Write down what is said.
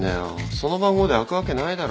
その番号で開くわけないだろ。